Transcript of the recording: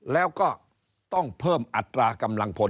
แล้วก็ต้องเพิ่มอัตรากำลังผล